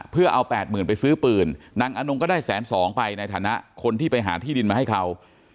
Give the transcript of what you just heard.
เพื่อเอาแปดหมื่นไปซื้อปืนนางอนงก็ได้แสนสองไปในฐานะคนที่ไปหาที่ดินมาให้เขา